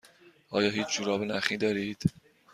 آیا هیچ جوراب نخی دارید؟